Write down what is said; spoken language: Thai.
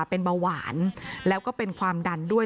เป็นเบาหวานแล้วก็เป็นความดันด้วย